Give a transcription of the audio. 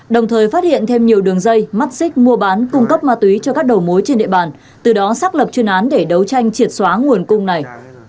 đồng thời phát hiện thêm nhiều đường dây mắt xích mua bán cung cấp ma túy cho các đầu mối trên địa bàn từ đó xác lập chuyên án để đấu tranh triệt xóa nguồn cung này